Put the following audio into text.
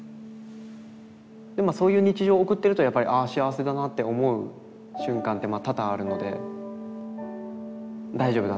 そういう日常を送ってるとやっぱりあ幸せだなって思う瞬間って多々あるので大丈夫だ。